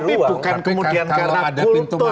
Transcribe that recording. tapi bukan kemudian karena kultur